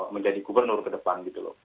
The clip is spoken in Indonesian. menjadi gubernur ke depan